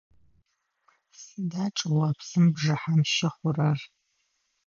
Сыда чӏыопсым бжыхьэм щыхъурэр?